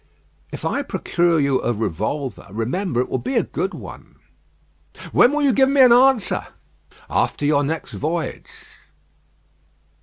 "If I procure you a revolver, remember, it will be a good one." "When will you give me an answer?" "After your next voyage."